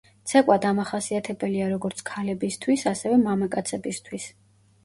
ცეკვა დამახასიათებელია როგორც ქალებისთვის, ასევე მამაკაცებისთვის.